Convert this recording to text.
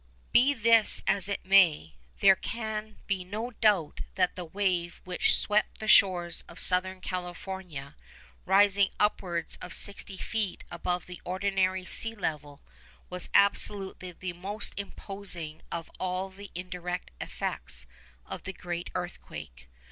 Be this as it may, there can be no doubt that the wave which swept the shores of Southern California, rising upwards of sixty feet above the ordinary sea level, was absolutely the most imposing of all the indirect effects of the great earthquake.